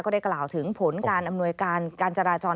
ได้กล่าวถึงผลการอำนวยการการจราจร